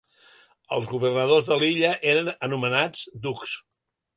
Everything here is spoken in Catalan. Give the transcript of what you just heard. Els governadors de l'illa eren anomenats dux.